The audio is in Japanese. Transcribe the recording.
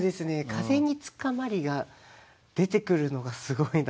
「風につかまり」が出てくるのがすごいなって。